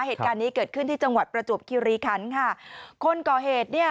เหตุการณ์นี้เกิดขึ้นที่จังหวัดประจวบคิริคันค่ะคนก่อเหตุเนี่ย